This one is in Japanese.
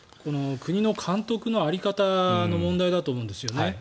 国の監督の在り方の問題だと思うんですよね。